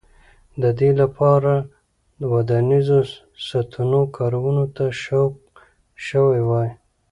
د دې کار لپاره ودانیزو ستنو کارونو ته سوق شوي وای